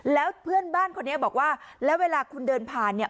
แล้วเพื่อนบ้านคนนี้บอกว่าแล้วเวลาคุณเดินผ่านเนี่ย